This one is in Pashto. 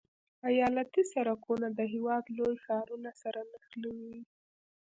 ایالتي سرکونه د هېواد لوی ښارونه سره نښلوي